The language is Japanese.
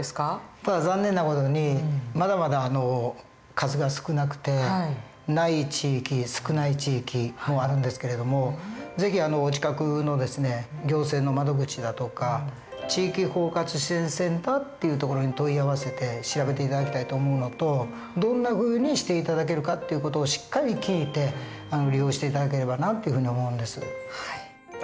ただ残念な事にまだまだ数が少なくてない地域少ない地域もあるんですけれども是非お近くの行政の窓口だとか地域包括支援センターっていうところに問い合わせて調べて頂きたいと思うのとどんなふうにして頂けるかっていう事をしっかり聞いて利用して頂ければなっていうふうに思うんです。